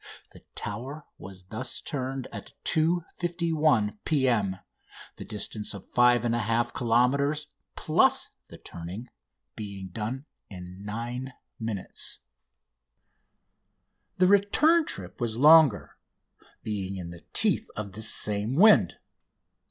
The Tower was thus turned at 2.51 P.M., the distance of 5 1/2 kilometres, plus the turning, being done in nine minutes. The return trip was longer, being in the teeth of this same wind.